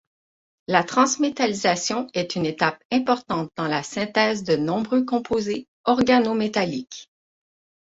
La transmétallation est une étape importante dans la synthèse de nombreux composés organométalliques.